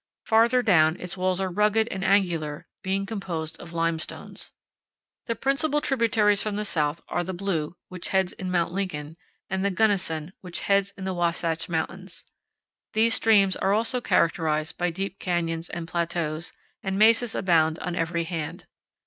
Farther down, its walls are rugged and angular, being composed of limestones. The principal tributaries from the south are the Blue, which heads in Mt. Lincoln, and the Gunnison, which heads in the Wasatch Mountains. These streams are also characterized by deep canyons and plateaus, and mesas abound on every hand.